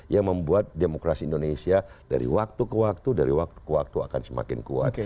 yang membuat demokrasi indonesia dari waktu ke waktu dari waktu ke waktu akan semakin kuat